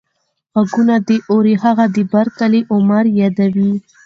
غوږونه دې اوري هغه د بر کلي عمر يادوې.